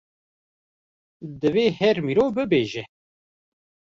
divê her mirov bibêje